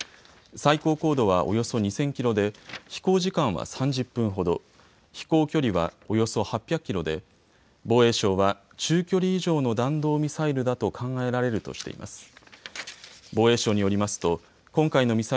最高高度はおよそ２０００キロで飛行時間は３０分ほど、飛行距離はおよそ８００キロで防衛省は中距離以上の弾道ミサイルだと考えられるとしています。